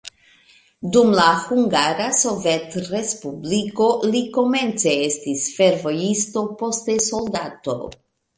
Dum la Hungara Sovetrespubliko li komence estis fervojisto, poste soldato.